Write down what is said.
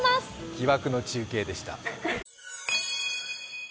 疑惑の中継でした。